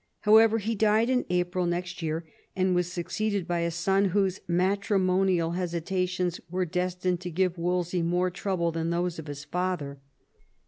However, he died in April next year, and was succeeded by a son whose matrimonial hesitations were destined to give Wolsey more trouble than those of his father.